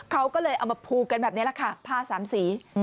เขาก็เลยเอามาผูกกันแบบนี้แหละค่ะผ้าสามสี